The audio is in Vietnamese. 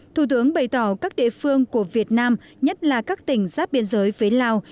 thủ tướng bày tỏ các địa phương của việt nam nhất là các tỉnh giáp biên giới phía lào